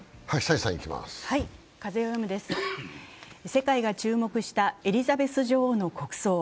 世界が注目したエリザベス女王の国葬。